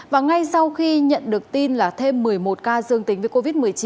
và ngay sau khi nhận được tin là thêm một mươi một ca dương tính với covid một mươi chín